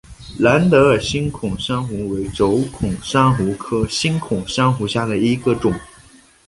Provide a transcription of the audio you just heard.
蓝德尔星孔珊瑚为轴孔珊瑚科星孔珊瑚下的一个种。